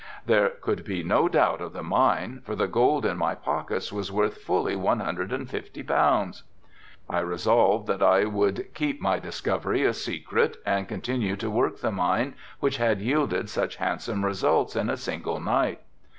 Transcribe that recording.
There could be no doubt of the mine for the gold in my pockets was worth fully one hundred and fifty pounds. I resolved that I would keep my discovery a secret and continue to work the mine which had yielded such handsome results in a single night.